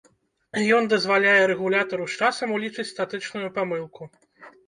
Ён дазваляе рэгулятару з часам улічыць статычную памылку.